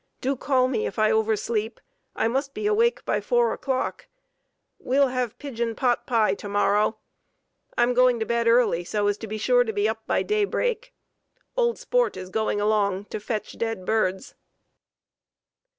Do call me if I oversleep. I must be awake by four o'clock. We'll have pigeon pot pie to morrow. I'm going to bed early so as to be sure to be up by daybreak. Old Sport is going along to 'fetch' dead birds."